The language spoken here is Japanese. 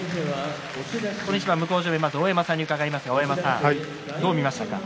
この一番、向正面の大山さんどう見ましたか？